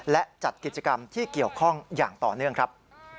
และจัดกิจกรรมที่เกี่ยวข้องอย่างต่อเนื่องครับ